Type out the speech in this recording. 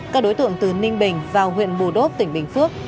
các đối tượng từ ninh bình vào huyện bù đốp tỉnh bình phước